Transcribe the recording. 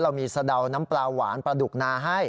เรามีสะเดาน้ำปลาหวานปลาดุกนาให้